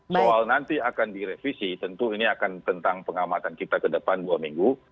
soal nanti akan direvisi tentu ini akan tentang pengamatan kita ke depan dua minggu